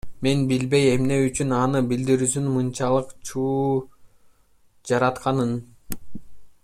Мен билбейм эмне үчүн анын билдирүүсү мынчалык чуу жаратканын.